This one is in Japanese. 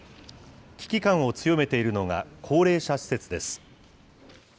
危機感を強めているのが、高齢者施設です。